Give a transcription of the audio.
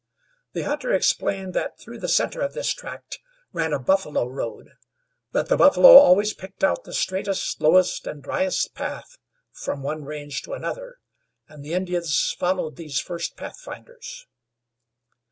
The hunter explained that through the center of this tract ran a buffalo road; that the buffalo always picked out the straightest, lowest and dryest path from one range to another, and the Indians followed these first pathfinders.